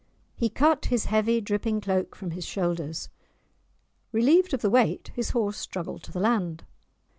He cut his heavy, dripping cloak from his shoulders; relieved of the weight, his horse struggled to the land.